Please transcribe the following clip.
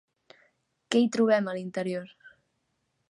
Què hi trobem a l'interior?